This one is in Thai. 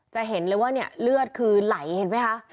จะเห็นเลยว่าเนี่ยเลือดคือไหลเห็นไหมคะ